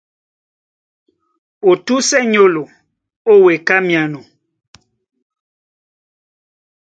Ó túsɛ nyólo, ó weka myano.